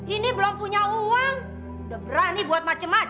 ini belum punya uang udah berani buat macem macem